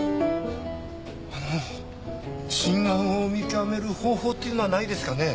あの真贋を見極める方法っていうのはないですかね？